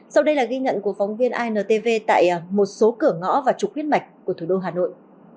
sau đây là ghi nhận của phóng viên intv tại một số cửa ngõ và trục huyết mạch của thủ đô hà nội